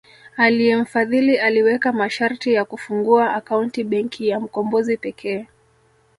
Aliyemfadhili aliweka masharti ya kufungua akaunti Benki ya Mkombozi pekee